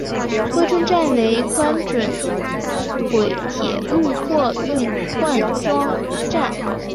珲春站为宽准轨铁路货运换装站。